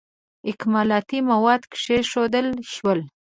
اکمالاتي مواد کښېښودل شول.